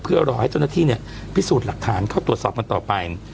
เพื่อรอให้เจ้าหน้าที่เนี่ยพิสูจน์หลักฐานเข้าตรวจสอบกันต่อไป